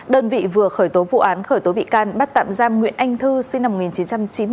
đơn vị vừa khởi tố vụ án khởi tố bị can bắt tạm giam nguyễn anh thư sinh năm một nghìn chín trăm chín mươi bốn